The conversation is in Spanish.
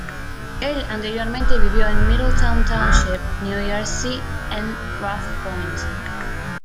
Él anteriormente vivió en Middletown Township, New Jersey en Rough Point.